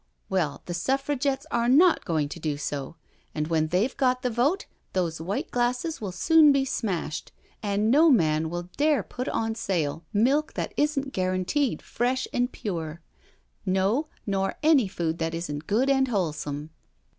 Well, the Suffragettes are not going to do sO| and when •l ON A TROLLY CART 145 they've got the vote those white glasses will soon be smashed, and no man will dare put on sale milk that isn't guaranteed fresh and pure — no, nor any food that isn't good and wholesome."